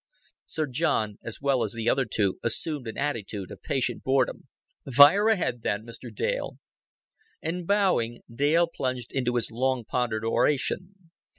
Sir John, as well as the other two, assumed an attitude of patient boredom. "Fire ahead, then, Mr. Dale." And, bowing, Dale plunged into his long pondered oration.